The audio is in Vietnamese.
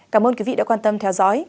cảm ơn quý vị đã quan tâm theo dõi